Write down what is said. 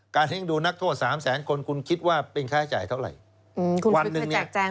การที่ดูนักโทษ๓๐๐๐๐๐คนคุณคิดว่าเป็นค่าใช้เท่าไหร่